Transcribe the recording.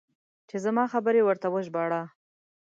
چې زما خبرې ورته وژباړه.